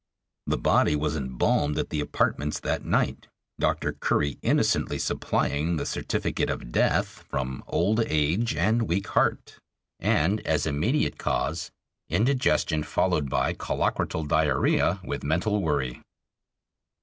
The body was embalmed at the apartments that night, Dr. Curry innocently supplying the certificate of death from "old age and weak heart," and "as immediate cause, indigestion followed by collocratal diarrhoea with mental worry."